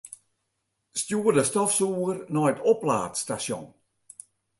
Stjoer de stofsûger nei it oplaadstasjon.